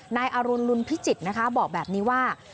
นายอรุณลุนพิจิตรนะคะบอกแบบนี้ว่า